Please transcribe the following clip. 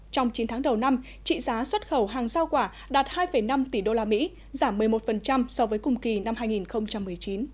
trong chín tháng đầu năm trị giá xuất khẩu hàng giao quả đạt hai năm tỷ usd giảm một mươi một so với cùng kỳ năm hai nghìn một mươi chín